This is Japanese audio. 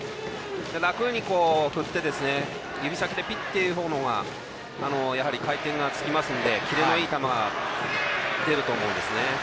楽に振って指先でピッていう方が回転がつきますのでキレのいい球が出ると思います。